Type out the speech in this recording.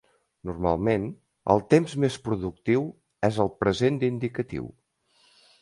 Normalment, el temps més productiu és el present d'indicatiu.